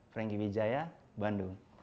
frankie wijaya bandung